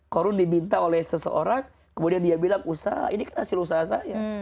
korun diminta oleh seseorang kemudian dia bilang usaha ini kan hasil usaha saya